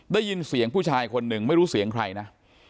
ได้ยินเสียงผู้ชายคนหนึ่งไม่รู้เสียงใครนะ